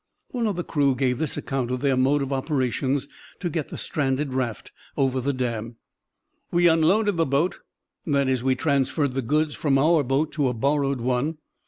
One of the crew gave this account of their mode of operations to get the stranded raft over the dam: "We unloaded the boat that is, we transferred the goods from our boat to a borrowed one.